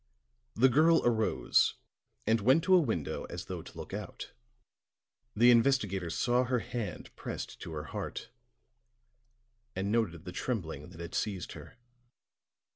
The girl arose and went to a window as though to look out; the investigator saw her hand pressed to her heart, and noted the trembling that had seized her.